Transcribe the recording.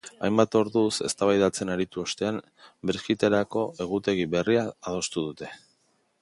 Hainbat orduz eztabaidatzen aritu ostean, brexiterako egutegi berria adostu dute.